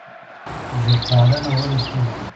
ژب پالنه ولې ستونزه ده؟